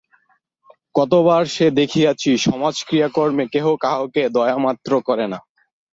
কতবার সে দেখিয়াছে, সমাজে ক্রিয়াকর্মে কেহ কাহাকেও দয়ামাত্রও করে না।